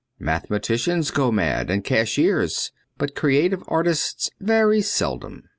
Mathematicians go mad, and cashiers, but creative artists very seldom.